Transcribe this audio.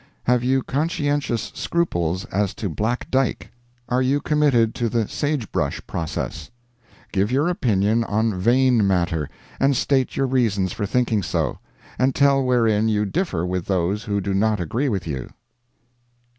Have you conscientious scruples as to black dyke? Are you committed to the sage brush process? Give your opinion on vein matter, and state your reasons for thinking so; and tell wherein you differ with those who do not agree with you."